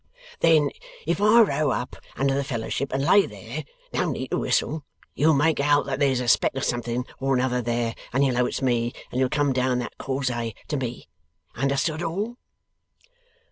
'Then if I row up under the Fellowship and lay there, no need to whistle. You'll make out that there's a speck of something or another there, and you'll know it's me, and you'll come down that cause'ay to me. Understood all?